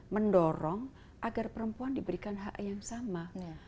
mendorong agar perempuan diberikan hak yang sama